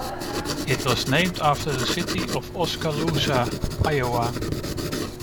It was named after the city of Oskaloosa, Iowa.